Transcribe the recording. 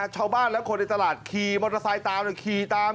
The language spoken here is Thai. ชาวบ้านคนในตลาดขี่มอเตอร์ไซล์ตาม